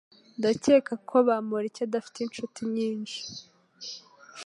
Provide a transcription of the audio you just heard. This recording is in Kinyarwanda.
Ndakeka ko Bamoriki adafite inshuti nyinshi